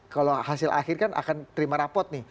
kalau hasil akhir kan akan terima rapot nih